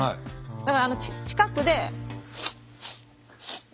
だから近くで。